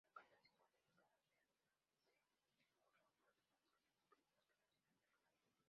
La localidad se encuentra ubicada dentro de Julian, justo dentro del Bosque Nacional Cleveland.